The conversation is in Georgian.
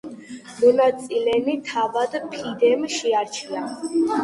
მონაწილენი თავად ფიდემ შეარჩია.